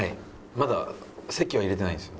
まだ籍は入れてないんですよ。